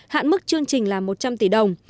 hạn mức chương trình là một trăm linh tỷ đồng